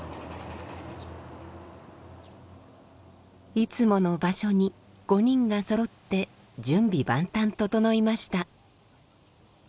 いつもの場所に５人がそろって準備万端整いました。